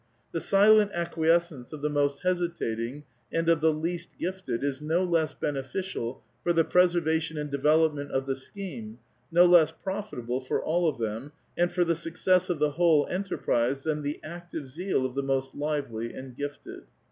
The silent acquiescence of the most hesitating and of the least gifted is no less bene ficial for the preservation and development of the scheme, no less profitable for all of them, and for the success of the whole enterprise, than the active zeal of the most lively and gifted.